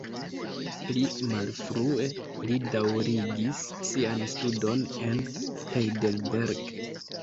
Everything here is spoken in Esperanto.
Pli malfrue li daŭrigis sian studon en Heidelberg.